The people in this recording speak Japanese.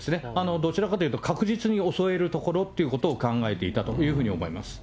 どちらかというと、確実に襲える所っていうことを考えていたというふうに思います。